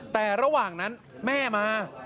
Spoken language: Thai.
แต่ระหว่างนั้นแม่มา